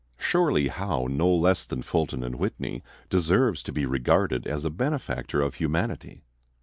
Surely Howe, no less than Fulton and Whitney, deserves to be regarded as a benefactor of humanity.